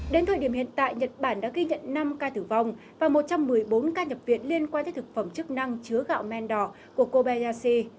đến thời điểm hiện tại nhật bản đã ghi nhận năm ca tử vong và một trăm một mươi bốn ca nhập viện liên quan tới thực phẩm chức năng chứa gạo mendor của kobelyashi